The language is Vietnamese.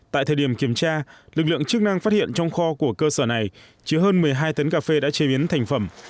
tại thời điểm kiểm tra lực lượng chức năng phát hiện trong kho của cơ sở này chứa hơn một mươi hai tấn cà phê đã chế biến thành phẩm